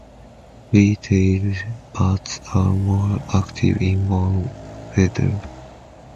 Free-tailed bats are more active in warm weather.